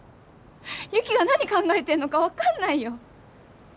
雪が何考えてんのか分かんないよ！